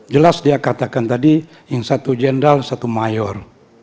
jelas dia katakan tadi yang satu jenderal satu mayor